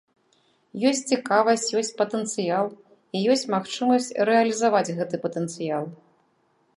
Ёсць цікавасць, ёсць патэнцыял і ёсць магчымасць рэалізаваць гэты патэнцыял.